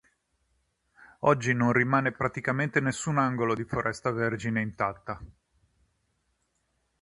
Oggi non rimane praticamente nessun angolo di foresta vergine intatta.